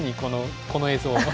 この映像。